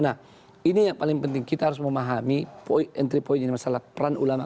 nah ini yang paling penting kita harus memahami entry point dan masalah peran ulama